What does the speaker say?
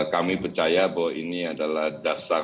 kami percaya bahwa ini adalah dasar